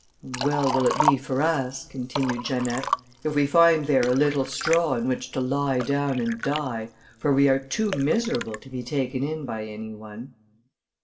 "And well will it be for us," continued Janette, "if we find there a little straw on which to lie down and die, for we are too miserable to be taken in by any one."